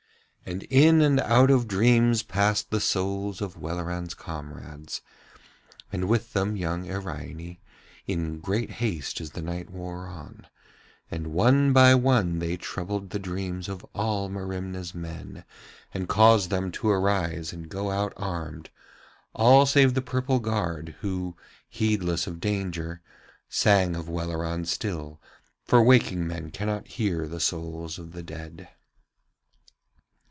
And in and out of dreams passed the souls of Welleran's comrades, and with them young Iraine, in great haste as the night wore on; and one by one they troubled the dreams of all Merimna's men and caused them to arise and go out armed, all save the purple guard who, heedless of danger, sang of Welleran still, for waking men cannot hear the souls of the dead.